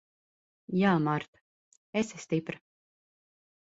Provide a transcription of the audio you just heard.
Jā, Marta. Esi stipra.